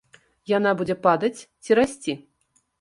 Яна будзе падаць ці расці?